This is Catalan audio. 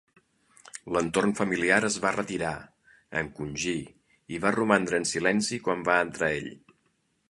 L'entorn familiar es va retirar, encongir i va romandre en silenci quan va entrar ell.